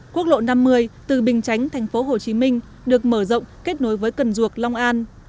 quốc lộ năm mươi từ bình chánh thành phố hồ chí minh được mở rộng kết nối với cần duộc long an